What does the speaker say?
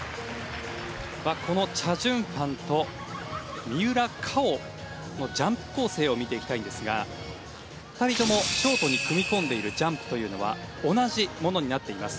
このチャ・ジュンファンと三浦佳生のジャンプ構成を見ていきたいんですが２人ともショートに組み込んでいるジャンプというのは同じものになっています。